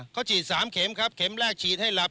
เขาฉีด๓เข็มครับเข็มแรกฉีดให้หลับ